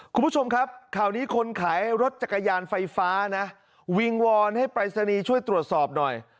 คุณผู้ชมครับข่าวนี้คนขายรถจักรยานไฟฟ้านะวิงวอนให้ปรายศนีย์ช่วยตรวจสอบหน่อย